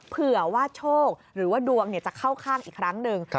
เผื่อว่าโชคหรือว่าดวงจะเข้าข้างอีกครั้งหนึ่ง